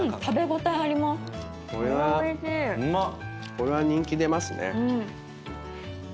これは人気出ますね。